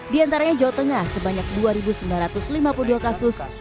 di antaranya jawa tengah sebanyak dua sembilan ratus lima puluh dua kasus